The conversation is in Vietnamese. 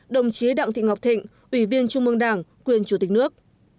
một mươi bảy đồng chí đặng thị ngọc thịnh ủy viên trung mương đảng quyền chủ tịch nước